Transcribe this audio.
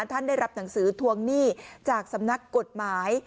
ท่านได้รับหนังสือทวงหนี้จากสำนักกฎหมาย